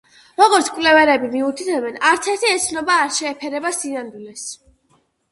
როგორც მკვლევრები მიუთითებენ, არც ერთი ეს ცნობა არ შეეფერება სინამდვილეს.